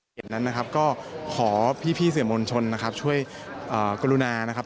เห็นนั้นนะครับก็ขอพี่เสียบลวงลชนนะครับช่วยกรุณานะครับ